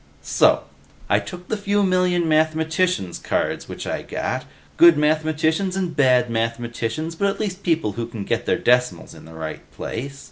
"So I took the few million mathematicians' cards which I got good mathematicians and bad mathematicians, but at least people who can get their decimals in the right place.